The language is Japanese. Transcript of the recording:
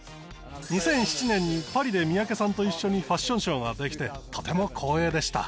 ２００７年にパリで三宅さんと一緒にファッションショーができてとても光栄でした。